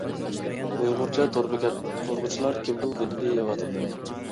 ئۇيغۇرچە تور بېكەت قۇرغۇچىلار كىمنىڭ نېنىنى يەۋاتىدۇ؟